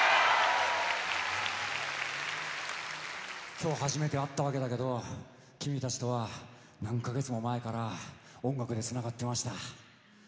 今日初めて会ったわけだけど君たちとは何か月も前から音楽でつながってました。